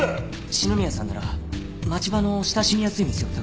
篠宮さんなら町場の親しみやすい店をたくさん知ってるはずです。